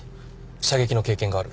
射撃の経験がある。